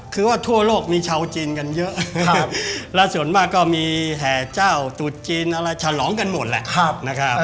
คือว่าทั่วโลกมีชาวจีนกันเยอะและส่วนมากก็มีแห่เจ้าตุดจีนอะไรฉลองกันหมดแหละนะครับ